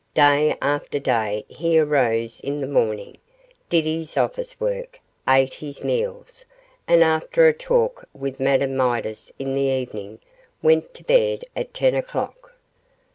Day after day he arose in the morning, did his office work, ate his meals, and after a talk with Madame Midas in the evening went to bed at ten o'clock.